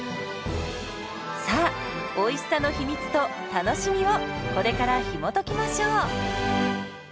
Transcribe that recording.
さあおいしさの秘密と楽しみをこれからひもときましょう。